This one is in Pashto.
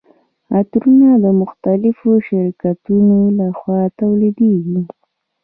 عطرونه د مختلفو شرکتونو لخوا تولیدیږي.